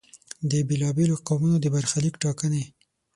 د بېلا بېلو قومونو د برخلیک ټاکنې.